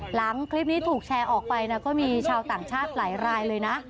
หลังคลิปนี้ถูกแชร์ออกไปนะก็มีชาวต่างชาติหลายรายเลยนะ